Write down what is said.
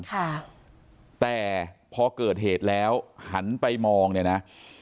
ค่ะแต่พอเกิดเหตุแล้วหันไปมองเนี่ยนะ